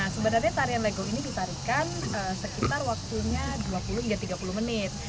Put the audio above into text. sebenarnya tarian lego ini ditarikan sekitar waktunya dua puluh hingga tiga puluh menit